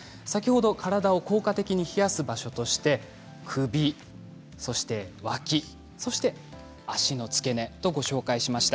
体を効果的に冷やす場所として首、そして、わきの下足の付け根とご紹介しました。